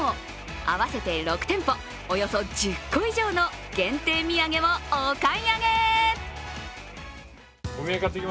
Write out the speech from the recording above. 合わせて６店舗、およそ１０個以上の限定土産をお買い上げ！